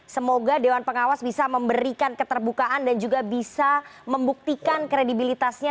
semoga dewan pengawas bisa memberikan keterbukaan dan juga bisa membuktikan kredibilitasnya